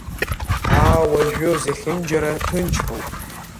Аа, уажәы зехьынџьара ҭынчроуп.